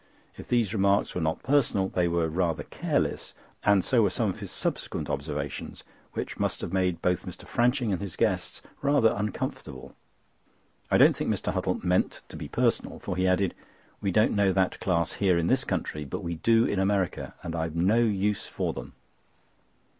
If these remarks were not personal they were rather careless, and so were some of his subsequent observations, which must have made both Mr. Franching and his guests rather uncomfortable. I don't think Mr. Huttle meant to be personal, for he added; "We don't know that class here in this country: but we do in America, and I've no use for them."